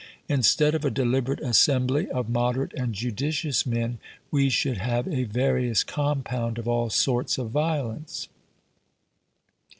Instead of a deliberate assembly of moderate and judicious men, we should have a various compound of all sorts of violence.